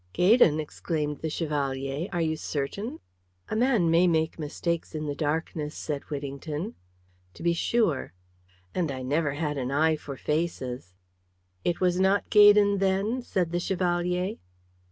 "Gaydon!" exclaimed the Chevalier, "are you certain?" "A man may make mistakes in the darkness," said Whittington. "To be sure." "And I never had an eye for faces." "It was not Gaydon, then?" said the Chevalier.